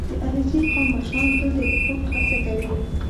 • د علیزي قوم مشران تل د اتفاق هڅه کوي.